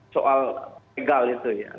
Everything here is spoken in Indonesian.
soal legal itu ya